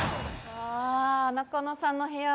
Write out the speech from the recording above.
わあ中野さんの部屋